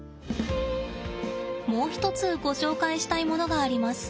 もう一つご紹介したいものがあります。